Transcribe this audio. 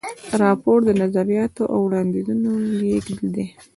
راپور د نظریاتو او وړاندیزونو لیږد دی.